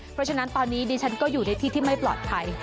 เพราะฉะนั้นตอนนี้ดิฉันก็อยู่ในที่ที่ไม่ปลอดภัย